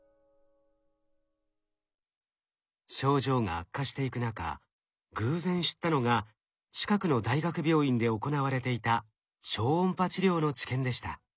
症状が悪化していく中偶然知ったのが近くの大学病院で行われていた超音波治療の治験でした。